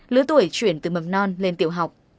lứa tuổi chuyển từ mầm non lên tiểu học